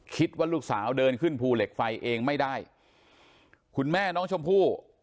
คิดว่าลูกสาวเดินขึ้นภูเหล็กไฟเองไม่ได้คุณแม่น้องชมพู่